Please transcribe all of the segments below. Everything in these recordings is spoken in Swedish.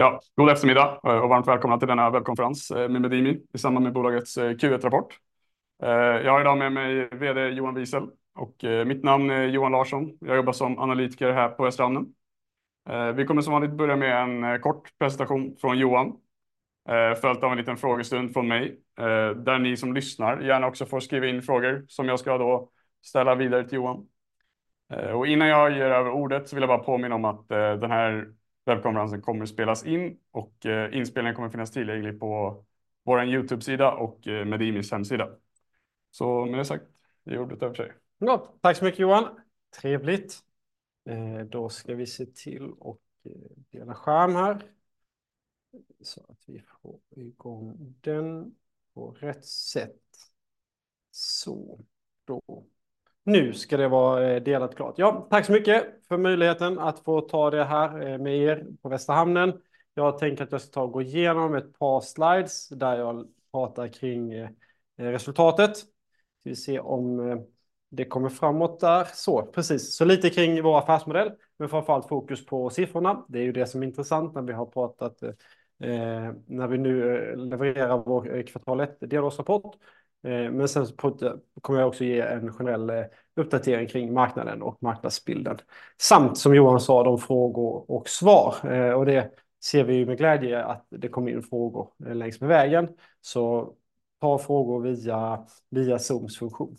Ja, god eftermiddag och varmt välkomna till denna webbkonferens med Medimi i samband med bolagets Q1-rapport. Jag har idag med mig VD Johan Wiesel och mitt namn är Johan Larsson. Jag jobbar som analytiker här på Västra Hamnen. Vi kommer som vanligt börja med en kort presentation från Johan, följt av en liten frågestund från mig, där ni som lyssnar gärna också får skriva in frågor som jag ska då ställa vidare till Johan. Innan jag ger över ordet så vill jag bara påminna om att den här webbkonferensen kommer spelas in och inspelningen kommer att finnas tillgänglig på vår YouTube-sida och Medimis hemsida. Så med det sagt, ger ordet över till dig. Tack så mycket Johan. Trevligt! Då ska vi se till och dela skärm här så att vi får igång den på rätt sätt. Så, då. Nu ska det vara delat klart. Ja, tack så mycket för möjligheten att få ta det här med er på Västra Hamnen. Jag tänker att jag ska ta och gå igenom ett par slides där jag pratar kring resultatet. Ska vi se om det kommer framåt där. Så, precis. Så lite kring vår affärsmodell, men framför allt fokus på siffrorna. Det är ju det som är intressant när vi har pratat när vi nu levererar vår kvartal ett delårsrapport. Men sen kommer jag också ge en generell uppdatering kring marknaden och marknadsbilden samt som Johan sa, de frågor och svar. Det ser vi med glädje att det kom in frågor längs med vägen. Så ta frågor via Zooms funktion.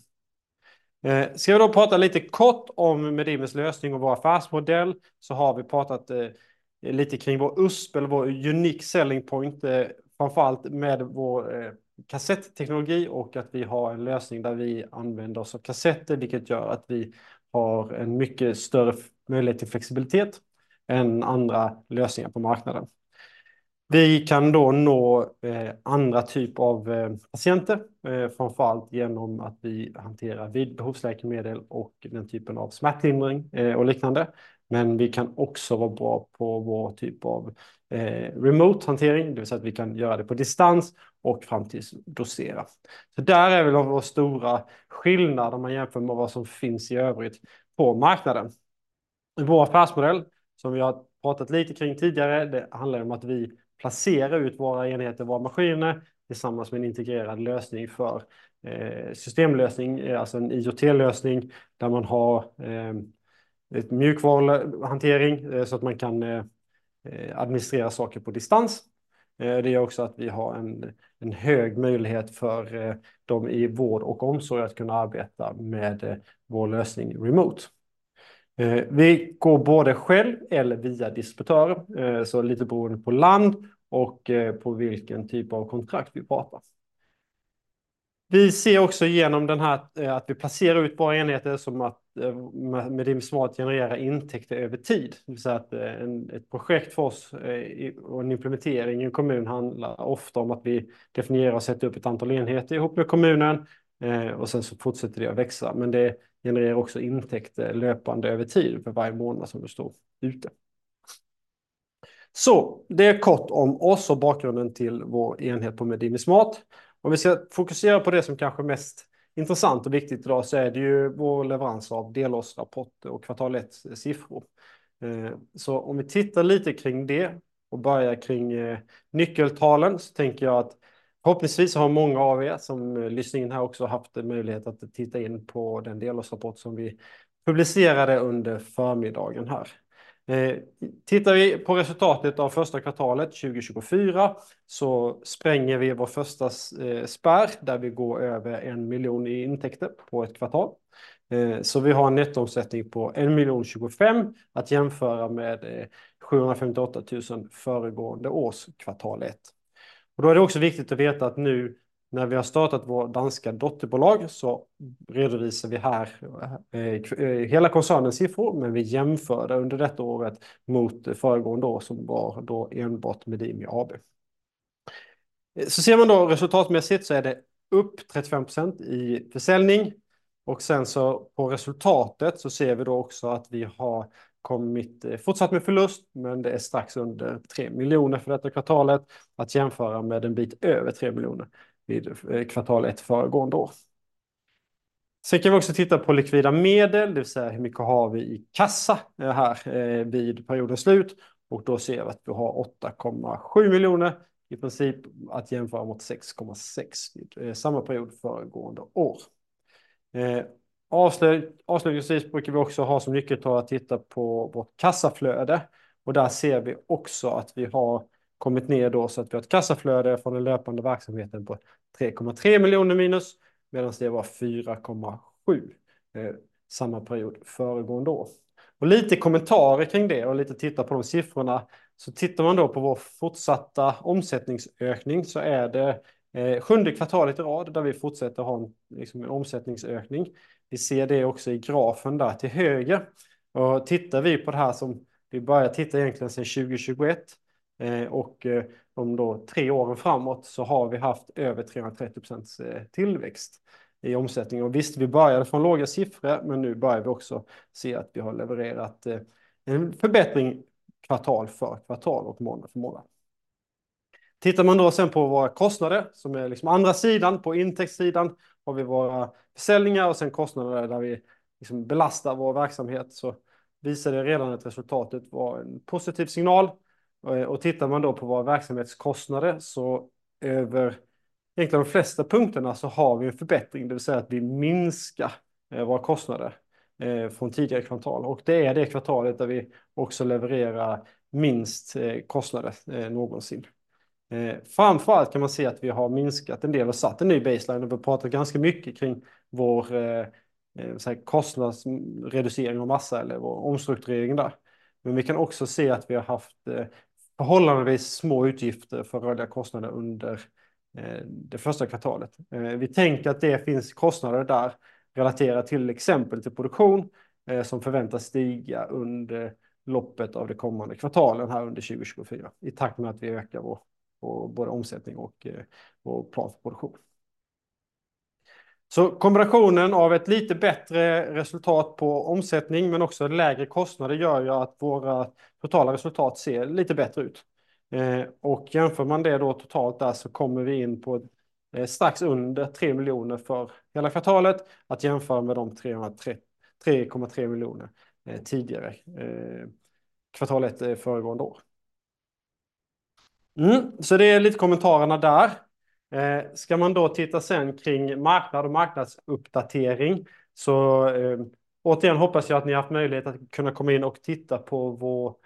Ska vi då prata lite kort om Medimis lösning och vår affärsmodell, så har vi pratat lite kring vår USP eller vår unique selling point, framför allt med vår kassetteknologi och att vi har en lösning där vi använder oss av kassetter, vilket gör att vi har en mycket större möjlighet till flexibilitet än andra lösningar på marknaden. Vi kan då nå andra typ av patienter, framför allt genom att vi hanterar vid behovsläkemedel och den typen av smärtlindring och liknande. Men vi kan också vara bra på vår typ av remotehantering, det vill säga att vi kan göra det på distans och fram tills dosera. Så där är väl vår stora skillnad om man jämför med vad som finns i övrigt på marknaden. Vår affärsmodell, som vi har pratat lite kring tidigare, det handlar om att vi placerar ut våra enheter, våra maskiner, tillsammans med en integrerad lösning för systemlösning, alltså en IoT-lösning, där man har ett mjukvaruhantering så att man kan administrera saker på distans. Det gör också att vi har en hög möjlighet för de i vård och omsorg att kunna arbeta med vår lösning remote. Vi går både själv eller via distributörer, så lite beroende på land och på vilken typ av kontrakt vi pratar. Vi ser också igenom den här, att vi placerar ut våra enheter som att Medimie Smart genererar intäkter över tid. Det vill säga att ett projekt för oss och en implementering i en kommun handlar ofta om att vi definierar och sätter upp ett antal enheter ihop med kommunen, och sen så fortsätter det att växa. Men det genererar också intäkter löpande över tid för varje månad som det står ute. Det är kort om oss och bakgrunden till vår enhet på Medimie Smart. Om vi ska fokusera på det som kanske är mest intressant och viktigt idag så är det ju vår leverans av delårsrapport och kvartal ett siffror. Om vi tittar lite kring det och börja kring nyckeltalen så tänker jag att förhoppningsvis har många av er som lyssnar in här också haft en möjlighet att titta in på den delårsrapport som vi publicerade under förmiddagen här. Tittar vi på resultatet av första kvartalet 2024 så spränger vi vår första spärr där vi går över en miljon i intäkter på ett kvartal. Vi har en nettoomsättning på 1,025 miljoner att jämföra med 758 000 föregående års kvartal ett. Då är det också viktigt att veta att nu när vi har startat vårt danska dotterbolag så redovisar vi här hela koncernens siffror, men vi jämför det under detta året mot föregående år som var då enbart Medimi AB. Ser man då resultatmässigt så är det upp 35% i försäljning och sen på resultatet så ser vi då också att vi har kommit fortsatt med förlust, men det är strax under 3 miljoner för detta kvartalet. Att jämföra med en bit över 3 miljoner vid kvartal ett föregående år. Sen kan vi också titta på likvida medel, det vill säga hur mycket har vi i kassa, här vid periodens slut, och då ser vi att vi har 8,7 miljoner, i princip att jämföra mot 6,6, samma period föregående år. Avslutningsvis brukar vi också ha som nyckeltal att titta på vårt kassaflöde och där ser vi också att vi har kommit ner så att vi har ett kassaflöde från den löpande verksamheten på 3,3 miljoner minus, medan det var 4,7 samma period föregående år. Lite kommentarer kring det och lite titta på de siffrorna, så tittar man då på vår fortsatta omsättningsökning så är det sjunde kvartalet i rad där vi fortsätter att ha en omsättningsökning. Vi ser det också i grafen där till höger. Tittar vi på det här som vi börjar titta egentligen sedan 2021, och om då tre åren framåt så har vi haft över 330% tillväxt i omsättning. Och visst, vi började från låga siffror, men nu börjar vi också se att vi har levererat en förbättring kvartal för kvartal och månad för månad. Tittar man då sen på våra kostnader, som är liksom andra sidan, på intäktssidan har vi våra försäljningar och sen kostnader där vi liksom belastar vår verksamhet, så visar det redan att resultatet var en positiv signal. Och tittar man då på våra verksamhetskostnader så över, egentligen de flesta punkterna, så har vi en förbättring. Det vill säga att vi minskar våra kostnader från tidigare kvartal. Och det är det kvartalet där vi också levererar minst kostnader någonsin. Framför allt kan man se att vi har minskat en del och satt en ny baseline. Vi pratar ganska mycket kring vår kostnadsreducering och massa eller vår omstrukturering där. Men vi kan också se att vi har haft förhållandevis små utgifter för rörliga kostnader under det första kvartalet. Vi tänker att det finns kostnader där relaterat till exempel till produktion som förväntas stiga under loppet av det kommande kvartalet här under 2024, i takt med att vi ökar vår både omsättning och vår plan för produktion. Så kombinationen av ett lite bättre resultat på omsättning, men också lägre kostnader, gör ju att våra totala resultat ser lite bättre ut. Och jämför man det då totalt där så kommer vi in på strax under tre miljoner för hela kvartalet. Att jämföra med de 3,3 miljoner tidigare, kvartal ett föregående år. Så det är lite kommentarerna där. Ska man då titta sen kring marknad och marknadsuppdatering, så återigen hoppas jag att ni haft möjlighet att kunna komma in och titta på vår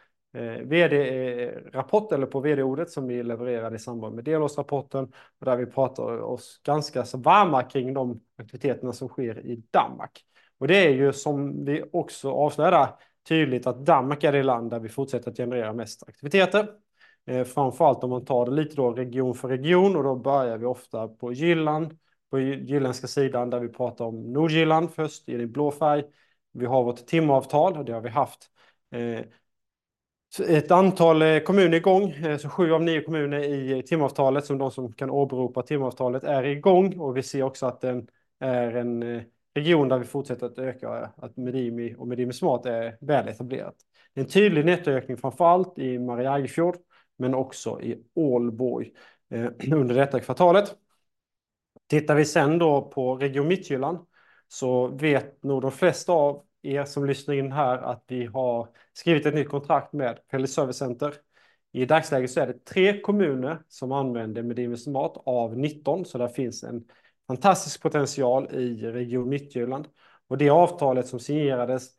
VD-rapport eller på VD-ordet som vi levererade i samband med delårsrapporten. Där vi pratar oss ganska så varma kring de aktiviteterna som sker i Danmark. Och det är ju, som vi också avslöjar, tydligt att Danmark är det land där vi fortsätter att generera mest aktiviteter. Framför allt om man tar det lite då region för region och då börjar vi ofta på Jylland, på jylländska sidan, där vi pratar om Nordjylland först, i blå färg. Vi har vårt timavtal och det har vi haft ett antal kommuner i gång. Så sju av nio kommuner i timavtalet, som de som kan åberopa timavtalet, är i gång och vi ser också att den är en region där vi fortsätter att öka, att Medimi och Medimi Smart är väl etablerat. En tydlig nettoökning, framför allt i Mariagerfjord, men också i Ålborg under detta kvartalet. Tittar vi sen då på Region Mittjylland, så vet nog de flesta av er som lyssnar in här att vi har skrivit ett nytt kontrakt med Public Service Center. I dagsläget så är det tre kommuner som använder Medimi Smart av nitton, så där finns en fantastisk potential i Region Mittjylland. Avtalet som signerades,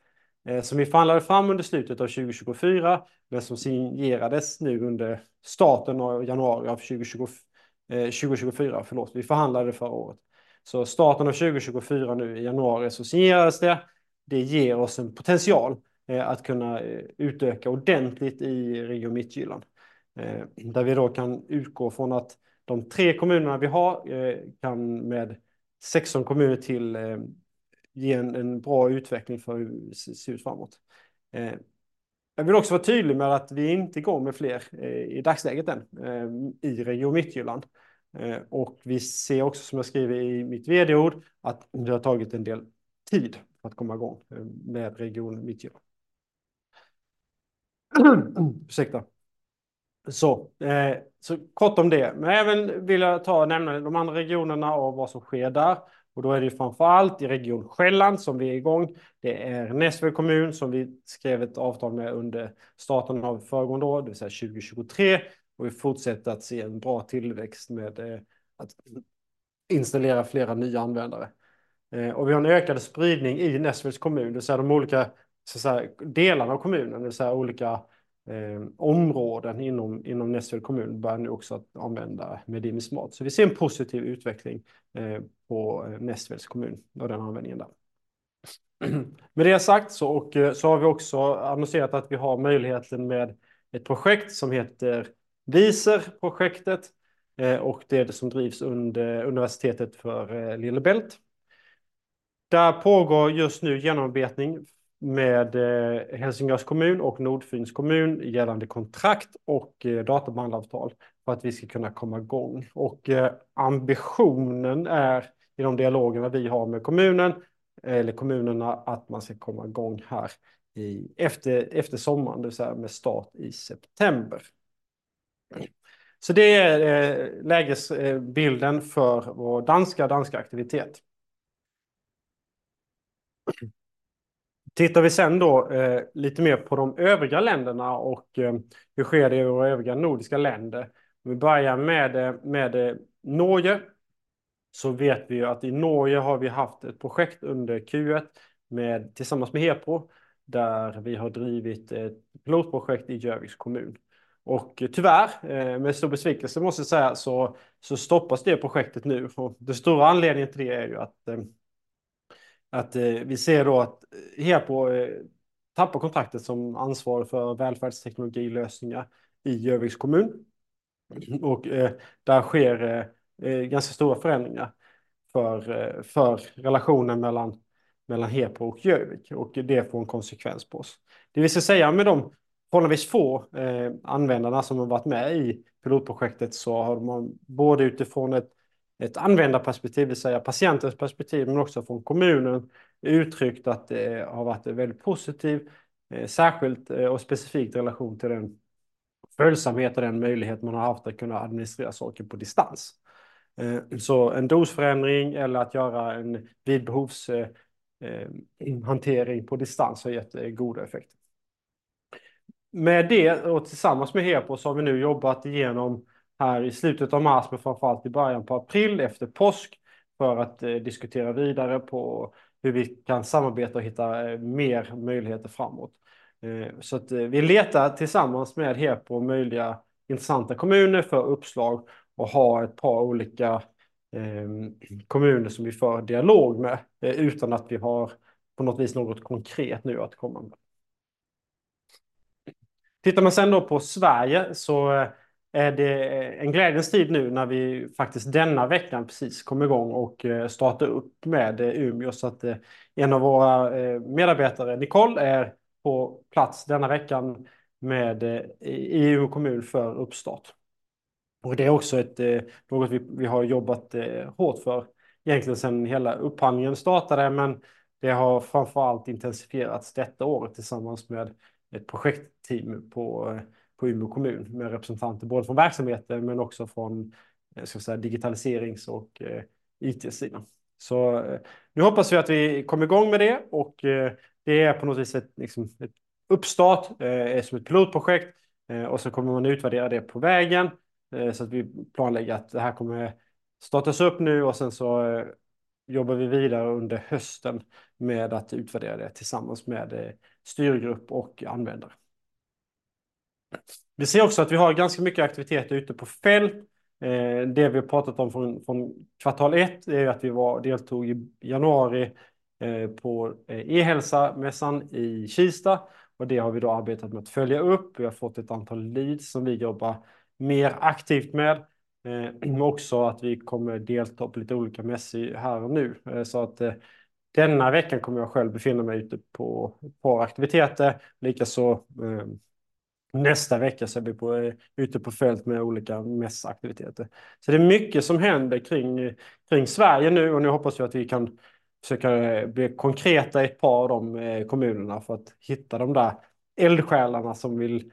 som vi förhandlade fram under slutet av 2023, men som signerades nu under starten av januari 2024. Vi förhandlade förra året. Starten av 2024, nu i januari, så signerades det. Det ger oss en potential att kunna utöka ordentligt i Region Mittjylland, där vi då kan utgå från att de tre kommunerna vi har kan med sexton kommuner till ge en bra utveckling för se ut framåt. Jag vill också vara tydlig med att vi är inte i gång med fler i dagsläget än i Region Mittjylland, och vi ser också, som jag skriver i mitt VD-ord, att det har tagit en del tid att komma i gång med Region Mittjylland. Så kort om det. Men även vill jag ta och nämna de andra regionerna och vad som sker där, och då är det ju framför allt i Region Själland som vi är i gång. Det är Næstved Kommun som vi skrev ett avtal med under starten av föregående år, det vill säga 2023, och vi fortsätter att se en bra tillväxt med att installera flera nya användare. Och vi har en ökad spridning i Næstveds kommun, det vill säga de olika, så att säga, delarna av kommunen, det vill säga olika områden inom Næstved Kommun börjar nu också att använda Medimi Smart. Så vi ser en positiv utveckling på Næstveds kommun och den användningen där. Med det sagt så har vi också annonserat att vi har möjligheten med ett projekt som heter VISER-projektet, och det som drivs under Universitetet för Lillebält. Där pågår just nu genomarbetning med Helsingörs kommun och Nordfyns kommun gällande kontrakt och databandavtal för att vi ska kunna komma i gång. Och ambitionen är, i de dialogerna vi har med kommunen, eller kommunerna, att man ska komma igång här efter sommaren, det vill säga med start i september. Så det är lägesbilden för vår danska aktivitet. Tittar vi sen lite mer på de övriga länderna och hur sker det i våra övriga nordiska länder? Vi börjar med Norge. Så vet vi ju att i Norge har vi haft ett projekt under Q1 med, tillsammans med Hepro, där vi har drivit ett pilotprojekt i Gjöviks kommun. Och tyvärr, med stor besvikelse måste jag säga, så stoppas det projektet nu. Den stora anledningen till det är ju att vi ser då att Hepro tappar kontraktet som ansvarar för välfärdsteknologilösningar i Gjöviks kommun. Och, där sker ganska stora förändringar för relationen mellan Hepro och Gjövik, och det får en konsekvens på oss. Det vill säga, med de förhållandevis få användarna som har varit med i pilotprojektet, så har man både utifrån ett användarperspektiv, det vill säga patientens perspektiv, men också från kommunen uttryckt att det har varit väldigt positivt, särskilt och specifikt i relation till den följsamhet och den möjlighet man har haft att kunna administrera saker på distans. Så en dosförändring eller att göra en vid behovs hantering på distans har gett goda effekter. Med det och tillsammans med Hepos har vi nu jobbat igenom här i slutet av mars, men framför allt i början på april, efter påsk, för att diskutera vidare på hur vi kan samarbeta och hitta mer möjligheter framåt. Så att vi letar tillsammans med Hepo möjliga intressanta kommuner för uppslag och har ett par olika kommuner som vi för dialog med, utan att vi har på något vis något konkret nu att komma med. Tittar man sen då på Sverige så är det en glädjens tid nu när vi faktiskt denna veckan precis kom i gång och startar upp med Umeå. Så att en av våra medarbetare, Nicole, är på plats denna veckan i Umeå kommun för uppstart. Det är också något vi har jobbat hårt för, egentligen sedan hela upphandlingen startade, men det har framför allt intensifierats detta året tillsammans med ett projektteam på Umeå kommun, med representanter både från verksamheten men också från digitaliserings- och IT-sidan. Så nu hoppas vi att vi kommer igång med det och det är på något vis ett, liksom, ett uppstart, eh, som ett pilotprojekt och så kommer man utvärdera det på vägen. Så att vi planerar att det här kommer startas upp nu och sen så jobbar vi vidare under hösten med att utvärdera det tillsammans med styrgrupp och användare. Vi ser också att vi har ganska mycket aktiviteter ute på fält. Det vi pratat om från kvartal ett är att vi deltog i januari på Ehälsa-mässan i Kista och det har vi då arbetat med att följa upp. Vi har fått ett antal leads som vi jobbar mer aktivt med, men också att vi kommer delta på lite olika mässor här och nu. Så att denna veckan kommer jag själv befinna mig ute på ett par aktiviteter, likaså nästa vecka så är vi ute på fält med olika mässaktiviteter. Så det är mycket som händer kring Sverige nu och nu hoppas vi att vi kan försöka bli konkreta i ett par av de kommunerna för att hitta de där eldsjälarna som vill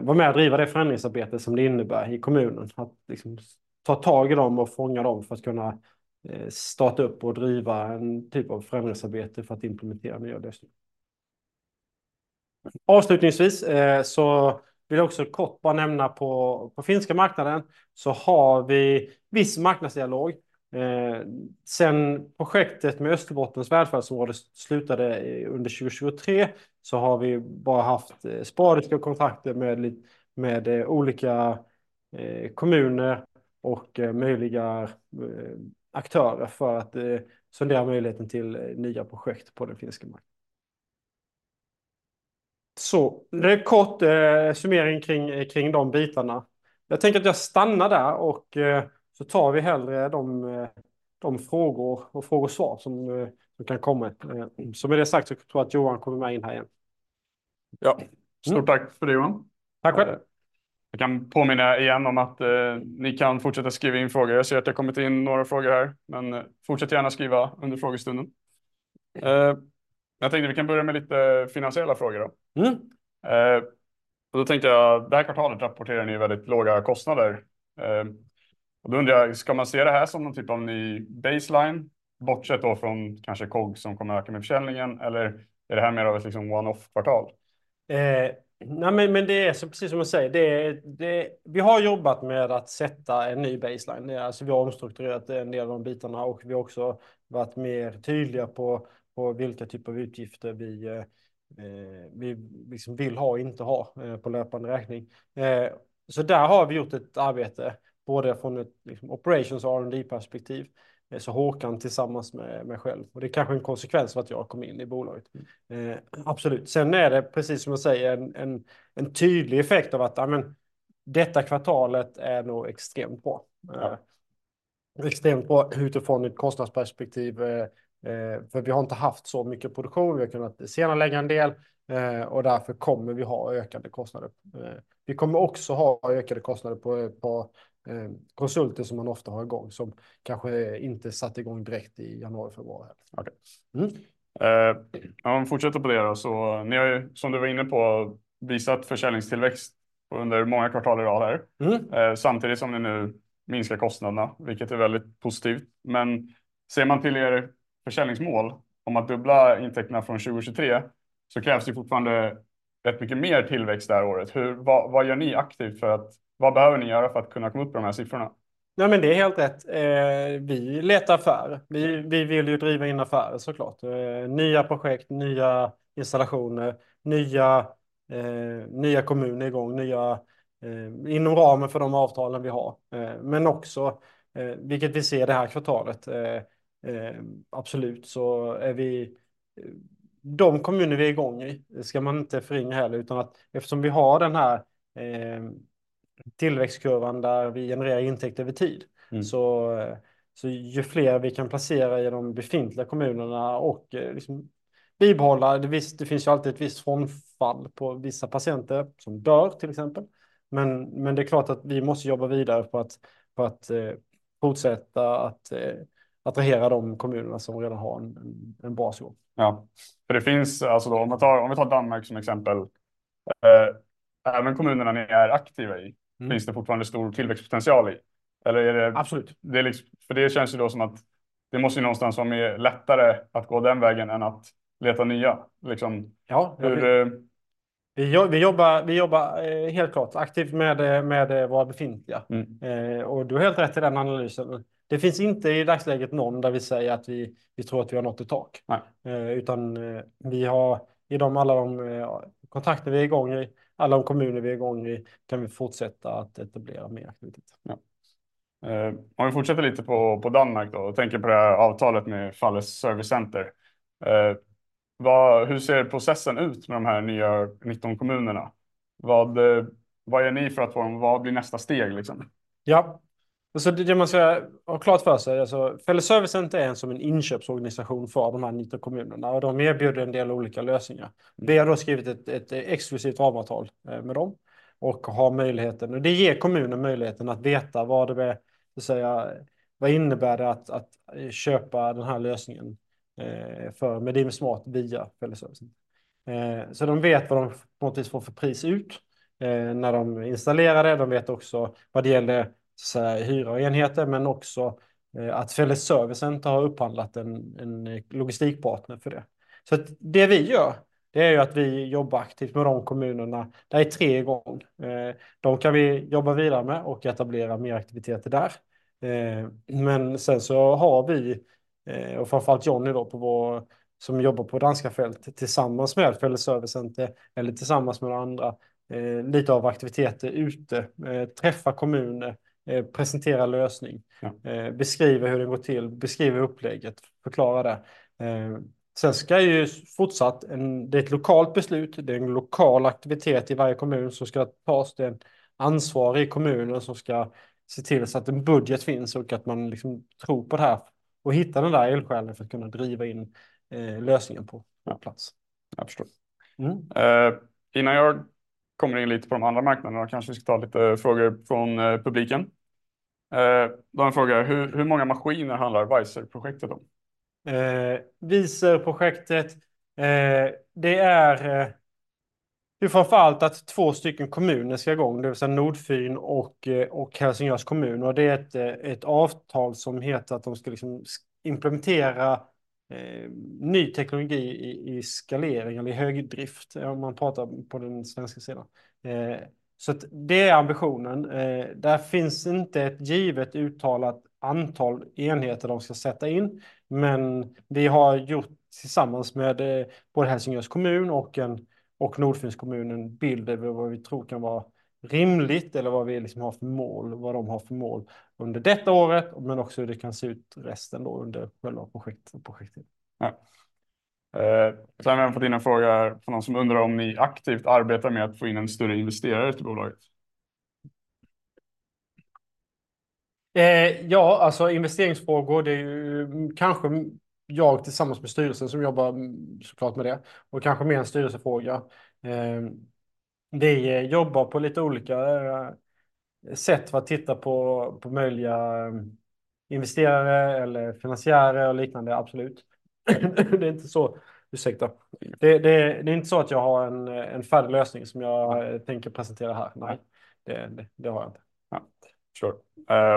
vara med och driva det förändringsarbetet som det innebär i kommunen. Att liksom ta tag i dem och fånga dem för att kunna starta upp och driva en typ av förändringsarbete för att implementera nya lösningar. Avslutningsvis så vill jag också kort bara nämna att på finska marknaden så har vi viss marknadsdialog. Sedan projektet med Österbottens välfärdsområde slutade under 2023, så har vi bara haft sporadiska kontakter med olika kommuner och möjliga aktörer för att sondera möjligheten till nya projekt på den finska marknaden. Så, det är en kort summering kring de bitarna. Jag tänker att jag stannar där och så tar vi hellre de frågor och svar som kan komma. Så med det sagt så tror jag att Johan kommer in här igen. Ja, stort tack för det, Johan. Tack själv! Jag kan påminna igen om att ni kan fortsätta skriva in frågor. Jag ser att det har kommit in några frågor här, men fortsätt gärna skriva under frågestunden. Jag tänkte vi kan börja med lite finansiella frågor då. Mm. Och då tänkte jag, det här kvartalet rapporterar ni väldigt låga kostnader. Och då undrar jag, ska man se det här som någon typ av ny baseline? Bortsett då från kanske COGS som kommer öka med försäljningen eller är det här mer av ett, liksom, one-off kvartal? Nej, men det är så precis som du säger, vi har jobbat med att sätta en ny baseline. Det är alltså, vi har omstrukturerat en del av de bitarna och vi har också varit mer tydliga på vilka typer av utgifter vi vill ha och inte ha på löpande räkning. Så där har vi gjort ett arbete, både från ett operations- och R&D-perspektiv. Så Håkan, tillsammans med mig själv, och det kanske är en konsekvens av att jag kom in i bolaget. Absolut. Sen är det precis som du säger, en tydlig effekt av att, ja men, detta kvartalet är nog extremt bra. Extremt bra utifrån ett kostnadsperspektiv, för vi har inte haft så mycket produktion. Vi har kunnat senarelägga en del, och därför kommer vi ha ökade kostnader. Vi kommer också ha ökade kostnader på konsulter som man ofta har igång, som kanske inte sattes igång direkt i januari, februari, heller. Okej. Mm. Om vi fortsätter på det då, så ni har ju, som du var inne på, visat försäljningstillväxt under många kvartal i rad här. Mm. Samtidigt som ni nu minskar kostnaderna, vilket är väldigt positivt. Men ser man till er försäljningsmål om att dubbla intäkterna från 2023, så krävs det fortfarande rätt mycket mer tillväxt det här året. Hur, vad gör ni aktivt för att, vad behöver ni göra för att kunna komma upp med de här siffrorna? Ja, men det är helt rätt. Vi letar affärer. Vi vill ju driva in affärer så klart. Nya projekt, nya installationer, nya kommuner i gång, inom ramen för de avtalen vi har. Men också, vilket vi ser det här kvartalet, absolut, så är vi... De kommuner vi är i gång i, ska man inte förringa heller, utan eftersom vi har den här tillväxtkurvan där vi genererar intäkter över tid, så ju fler vi kan placera i de befintliga kommunerna och bibehålla, det finns ju alltid ett visst frånfall på vissa patienter som dör till exempel. Men det är klart att vi måste jobba vidare på att fortsätta att attrahera de kommunerna som redan har en bra så. Ja, för det finns alltså, om vi tar, om vi tar Danmark som exempel, även kommunerna ni är aktiva i- Mm. Finns det fortfarande stor tillväxtpotential i? Eller är det- Absolutely! Det är liksom, för det känns det då som att det måste ju någonstans vara lättare att gå den vägen än att leta nya. Ja. Hur- Vi jobbar helt klart aktivt med våra befintliga. Mm. Och du har helt rätt i den analysen. Det finns inte i dagsläget någon där vi säger att vi tror att vi har nått ett tak. No. Utan vi har i de alla de kontakter vi är i gång i, alla de kommuner vi är i gång i, kan vi fortsätta att etablera mer aktivitet. Ja. Om vi fortsätter lite på Danmark då och tänker på det här avtalet med Felles Servicecenter. Vad, hur ser processen ut med de här nya nitton kommunerna? Vad, vad gör ni för att få dem? Vad blir nästa steg, liksom? Ja, alltså det man ska ha klart för sig, alltså, Felles Servicecenter är som en inköpsorganisation för de här nitton kommunerna och de erbjuder en del olika lösningar. Vi har då skrivit ett exklusivt ramavtal med dem och har möjligheten, och det ger kommunen möjligheten att veta vad det, så att säga, vad innebär det att köpa den här lösningen för, med InSmart via Felles Servicecenter. Så de vet vad de på något vis får för pris ut när de installerar det. De vet också vad det gäller, så att säga, hyra och enheter, men också att Felles Servicecenter har upphandlat en logistikpartner för det. Så att det vi gör, det är ju att vi jobbar aktivt med de kommunerna. Det är tre i gång. De kan vi jobba vidare med och etablera mer aktiviteter där. Eh, men sen så har vi, och framför allt Johnny då, på vår, som jobbar på danska fältet tillsammans med Felles Servicecenter eller tillsammans med andra, lite av aktiviteter ute, träffa kommuner, presentera lösningar. Ja. Beskriva hur det går till, beskriva upplägget, förklara det. Sen ska ju fortsatt en, det är ett lokalt beslut, det är en lokal aktivitet i varje kommun som ska tas. Det är en ansvarig kommun som ska se till så att en budget finns och att man liksom tror på det här och hitta den där eldsjälen för att kunna driva in lösningen på plats. Jag förstår. Mm. Innan jag kommer in lite på de andra marknaderna, kanske vi ska ta lite frågor från publiken. De frågar: hur många maskiner handlar VISER-projektet om? VISER-projektet, det är framför allt att två stycken kommuner ska i gång, det vill säga Nordfyn och Helsingörs kommun. Och det är ett avtal som heter att de ska implementera ny teknologi i skalering eller i hög drift, om man pratar på den svenska sidan. Så det är ambitionen. Där finns inte ett givet uttalat antal enheter de ska sätta in, men vi har gjort tillsammans med både Helsingörs kommun och Nordfyns kommun en bild över vad vi tror kan vara rimligt eller vad vi har för mål, vad de har för mål under detta året, men också hur det kan se ut resten under själva projektet. Ja. Eh, sen har vi fått in en fråga från någon som undrar om ni aktivt arbetar med att få in en större investerare till bolaget? Ja, alltså, investeringsfrågor, det är ju kanske jag tillsammans med styrelsen som jobbar så klart med det och kanske mer en styrelsefråga. Det jobbar på lite olika sätt att titta på möjliga investerare eller finansiärer och liknande, absolut. Det är inte så, ursäkta. Det är inte så att jag har en färdig lösning som jag tänker presentera här. Nej, det har jag inte. Ja, visst.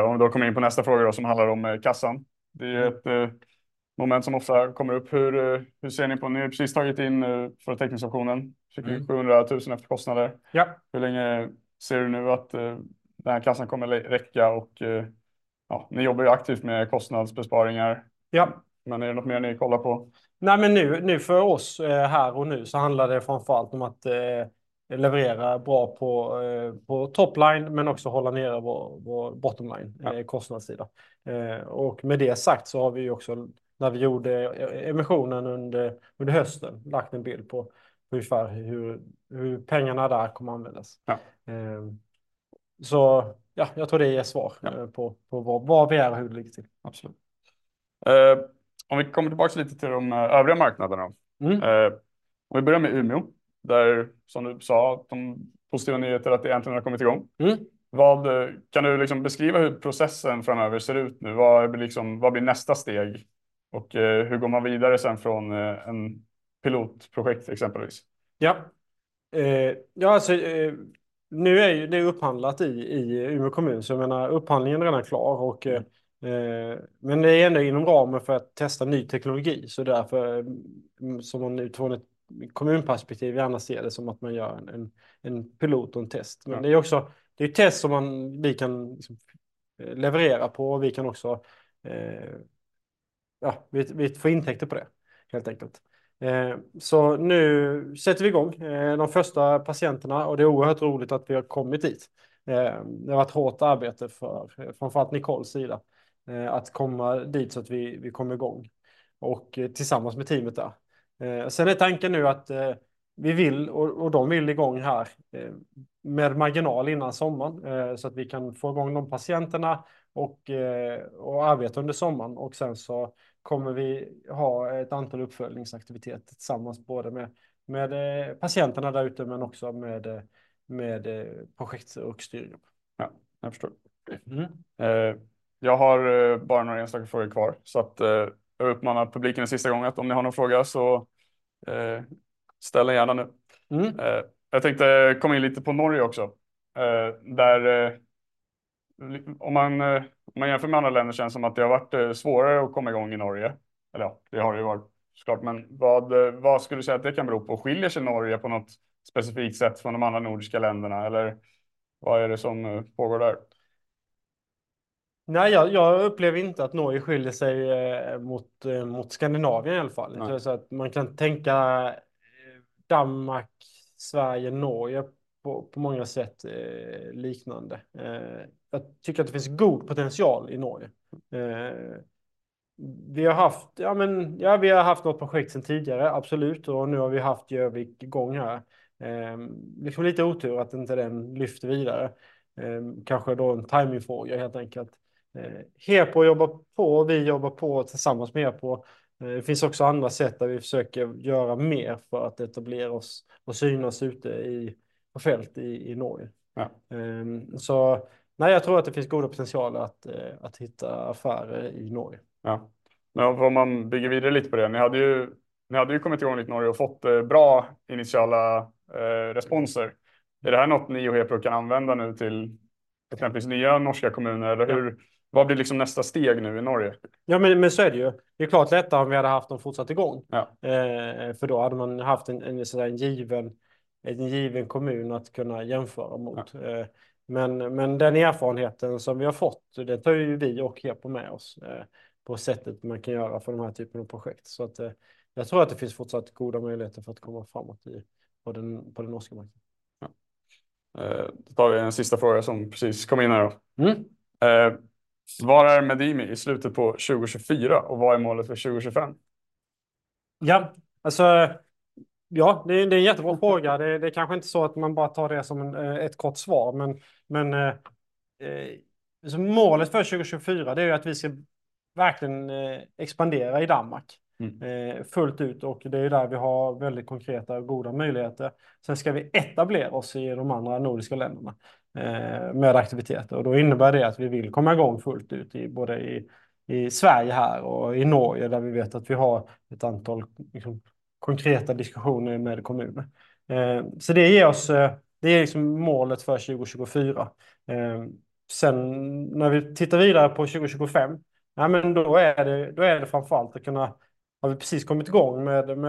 Om vi då kommer in på nästa fråga som handlar om kassan. Det är ett moment som ofta kommer upp. Hur ser ni på? Ni har precis tagit in för teckningsoptionen, sjuhundratusen efter kostnader. Ja. Hur länge ser du nu att den här kassan kommer att räcka och, ja, ni jobbar ju aktivt med kostnadsbesparingar. Ja. Men är det något mer ni kollar på? Nej, men nu, nu för oss, här och nu, så handlar det framför allt om att leverera bra på top line, men också hålla nere vår bottom line, kostnadssida. Och med det sagt så har vi också, när vi gjorde emissionen under hösten, lagt en bild på hur ungefär pengarna där kommer användas. Ja. Så ja, jag tror det ger svar på var vi är och hur det ligger till. Absolut. Om vi kommer tillbaka lite till de övriga marknaderna. Mm. Om vi börjar med Umeå, där som du sa, de positiva nyheterna att det äntligen har kommit igång. Mm. Vad, kan du liksom beskriva hur processen framöver ser ut nu? Vad blir liksom, vad blir nästa steg? Och hur går man vidare sen från ett pilotprojekt, exempelvis? Ja, alltså, nu är ju det upphandlat i Umeå kommun. Så jag menar, upphandlingen är redan klar, men det är ändå inom ramen för att testa ny teknologi. Så därför, som man nu utifrån ett kommunperspektiv, vill man se det som att man gör en pilot och en test. Men det är också test som man, vi kan leverera på och vi kan också, ja, vi får intäkter på det, helt enkelt. Så nu sätter vi i gång. De första patienterna och det är oerhört roligt att vi har kommit hit. Det har varit hårt arbete för framför allt Nicoles sida, att komma dit så att vi kom i gång och tillsammans med teamet där. Sen är tanken nu att vi vill och de vill igång här med marginal innan sommaren, så att vi kan få igång de patienterna och arbeta under sommaren. Och sen så kommer vi ha ett antal uppföljningsaktiviteter tillsammans, både med patienterna där ute, men också med projekt och styrgrupp. Ja, jag förstår. Jag har bara några enstaka frågor kvar, så att jag uppmanar publiken en sista gång att om ni har någon fråga så, ställ den gärna nu. Mm. Jag tänkte komma in lite på Norge också. Där, om man jämför med andra länder känns det som att det har varit svårare att komma igång i Norge. Eller ja, det har det ju varit såklart, men vad skulle du säga att det kan bero på? Skiljer sig Norge på något specifikt sätt från de andra nordiska länderna? Eller vad är det som pågår där? Nej, jag upplever inte att Norge skiljer sig mot Skandinavien i alla fall. Så att man kan tänka Danmark, Sverige, Norge på många sätt liknande. Jag tycker att det finns god potential i Norge. Vi har haft något projekt sedan tidigare, absolut, och nu har vi haft Gjövik i gång här. Liksom lite otur att inte den lyfte vidare. Kanske då en timing-fråga helt enkelt. HEPO jobbar på, vi jobbar på tillsammans med HEPO. Det finns också andra sätt där vi försöker göra mer för att etablera oss och synas ute på fält i Norge. Ja. Nej, jag tror att det finns goda potential att hitta affärer i Norge. Ja, om man bygger vidare lite på det. Ni hade ju kommit igång i Norge och fått bra initiala responser. Är det här något ni och HEPO kan använda nu till exempelvis nya norska kommuner? Eller hur, vad blir liksom nästa steg nu i Norge? Ja, men så är det ju. Det är klart lättare om vi hade haft dem fortsatt igång. Ja. För då hade man haft en given kommun att kunna jämföra mot. Men den erfarenheten som vi har fått, den tar ju vi och HEPO med oss på sättet man kan göra för den här typen av projekt. Så att jag tror att det finns fortsatt goda möjligheter för att komma framåt på den norska marknaden. Ja. Då tar vi en sista fråga som precis kom in här då. Mm. Var är Medimi i slutet på 2024 och vad är målet för 2025? Ja, alltså, ja, det är en jättebra fråga. Det är kanske inte så att man bara tar det som ett kort svar, men målet för 2024, det är ju att vi ska verkligen expandera i Danmark, fullt ut. Och det är där vi har väldigt konkreta och goda möjligheter. Sen ska vi etablera oss i de andra nordiska länderna med aktiviteter. Och då innebär det att vi vill komma i gång fullt ut i både Sverige här och i Norge, där vi vet att vi har ett antal konkreta diskussioner med kommuner. Så det ger oss, det är målet för 2024. Sen när vi tittar vidare på 2025, ja men då är det, då är det framför allt att kunna - har vi precis kommit igång med de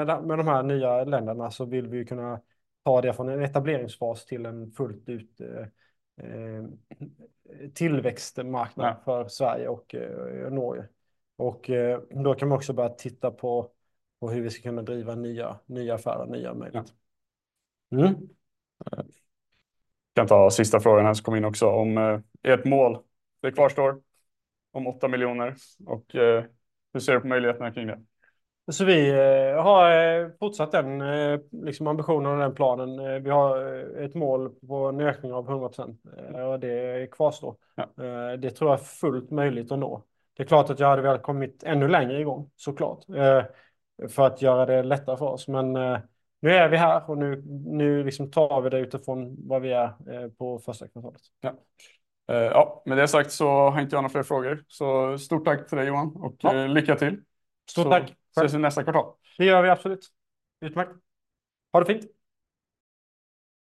här nya länderna, så vill vi ju kunna ta det från en etableringsfas till en fullt ut tillväxtmarknad för Sverige och Norge. Och då kan man också börja titta på hur vi ska kunna driva nya affärer, nya möjligheter. Mm. Kan ta sista frågan som kom in också. Om ert mål, det kvarstår om åtta miljoner och hur ser du på möjligheterna kring det? Alltså, vi har fortsatt den, liksom, ambitionen och den planen. Vi har ett mål på en ökning av 100% och det kvarstår. Ja. Det tror jag är fullt möjligt att nå. Det är klart att jag hade velat komma ännu längre i gång, så klart, för att göra det lättare för oss. Men nu är vi här och nu tar vi det utifrån var vi är på första kvartalet. Ja, med det sagt så har inte jag några fler frågor. Så stort tack till dig Johan och lycka till! Stort tack. Då ses vi nästa kvartal. Det gör vi absolut. Utmärkt. Ha det fint!